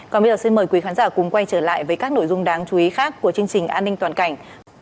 còn bây giờ xin mời quý khán giả cùng quay trở lại với các nội dung đáng chú ý khác của chương trình an ninh toàn cảnh